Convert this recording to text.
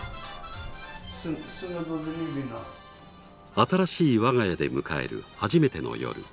新しい我が家で迎える初めての夜。